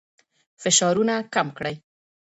فشارونه کم کړئ.